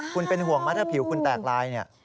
คุณเป็นห่วงไหมถ้าผิวคุณแตกลายเนี่ย